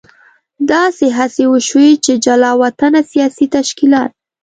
داسې هڅې وشوې چې جلا وطنه سیاسي تشکیلات.